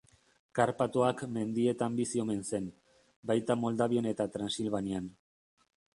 Karpatoak mendietan bizi omen zen, baita Moldavian eta Transilvanian.